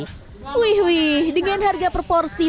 daripada kita ngurangi rasa sama porsi